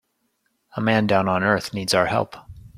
A man down on earth needs our help.